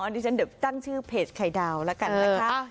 ดิฉันเดี๋ยวตั้งชื่อเพจไข่ดาวแล้วกันนะคะ